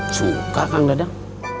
suka kang dadang